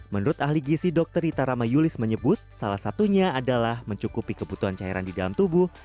menurut ahli gisi dr rita ramayulis menyebut salah satunya adalah mencukupi kebutuhan cairan di dalam tubuh